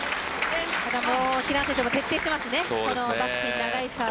平野選手も徹底しています。